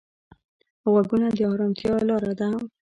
غوږونه د ارامتیا لاره ده